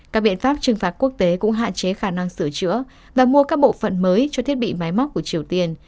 các biện pháp trừng phạt quốc tế cũng hạn chế khả năng sửa chữa và mua các bộ phận mới cho thiết bị máy móc của triều tiên